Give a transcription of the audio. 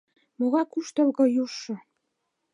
Могае куштылго южшо!